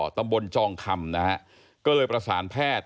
ตำบลจองคำนะครับ